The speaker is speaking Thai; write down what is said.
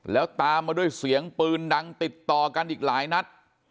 แล้วตามมาด้วยเสียงปืนดังติดต่อกันอีกหลายนัด